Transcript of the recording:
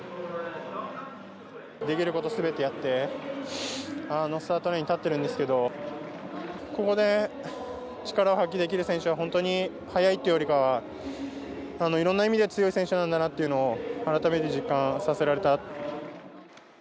できることすべてやってスタートラインに立ってるんですけどここで力を発揮できる選手は本当に速いというよりかはいろんな意味で強い選手なんだなというのを改めて実感させられた。